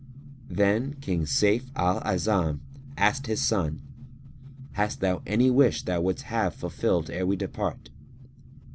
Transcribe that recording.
Then King Sayf al A'azam asked his son, "Hast thou any wish thou wouldst have fulfilled ere we depart?"